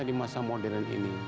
di masa modern ini